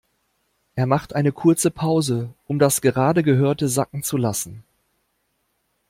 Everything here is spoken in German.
Er macht eine kurze Pause, um das gerade Gehörte sacken zu lassen.